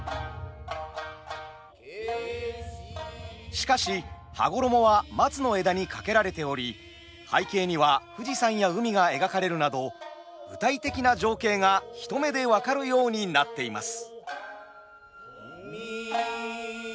しかし羽衣は松の枝に掛けられており背景には富士山や海が描かれるなど具体的な情景が一目で分かるようになっています。